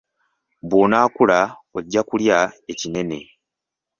Bw'onaakula ojja kulya ekinene.